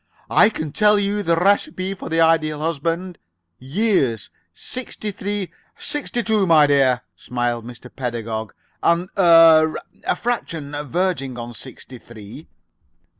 "I can tell you the recipe for the Ideal Husband. Years, sixty three " "Sixty two, my dear," smiled Mr. Pedagog, "and er a fraction verging on sixty three."